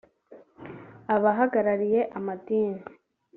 abahagarariye amadini